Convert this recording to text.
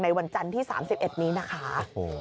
วันจันทร์ที่๓๑นี้นะคะ